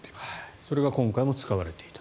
それが今回も使われていた。